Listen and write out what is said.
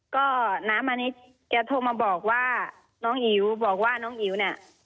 ก็น้ามานิดแกโทรมาบอกว่าน้องอิ๋วบอกว่าน้องอิ๋วเนี่ย